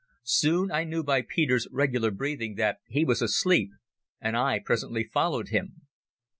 Soon I knew by Peter's regular breathing that he was asleep, and I presently followed him